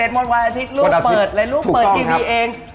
หมดวันอาทิตย์ลูกเปิดเลยลูกเปิดทีวีเอง